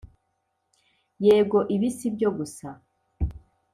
yego ibi si byo gusa,